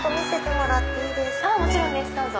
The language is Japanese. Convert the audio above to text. もちろんですどうぞ。